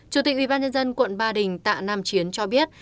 chủ tịch ubnd quận ba đình tạ nam chiến cho biết